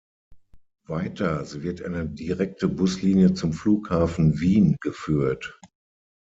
Weiters wird eine direkte Buslinie zum Flughafen Wien geführt.